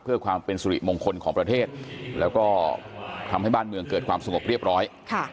เพื่อความเป็นสุริมงคลของประเทศแล้วก็ทำให้บ้านเมืองเกิดความสงบเรียบร้อย